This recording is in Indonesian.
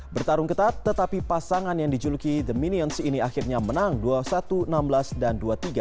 bertarung ketat tetapi pasangan yang dijuluki the minions ini akhirnya menang dua satu enam belas dan dua tiga